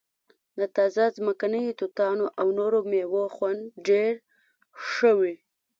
د تازه ځمکنیو توتانو او نورو میوو خوند ډیر ښه وي